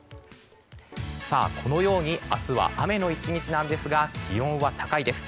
このように明日は雨の１日なんですが気温は高いです。